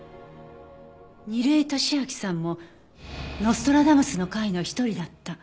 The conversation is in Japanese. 楡井敏秋さんもノストラダムスの会の一人だった。